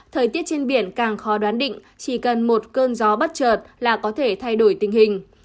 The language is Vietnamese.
thời tiết trên biển càng khó đoán định chỉ cần một cơn gió bắt trợt là có thể thay đổi tình hình